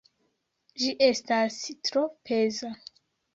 Ĝi estas tro peza.